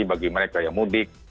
bagaimana kayak mudik